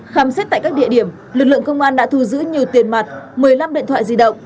khám xét tại các địa điểm lực lượng công an đã thu giữ nhiều tiền mặt một mươi năm điện thoại di động